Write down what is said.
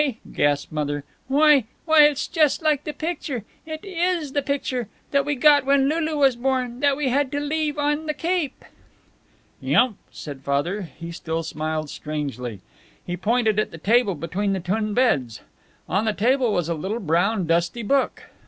gasped Mother "why why, it's just like the picture it is the picture that we got when Lulu was born that we had to leave on the Cape." "Yump," said Father. He still smiled strangely. He pointed at the table between the twin beds. On the table was a little brown, dusty book.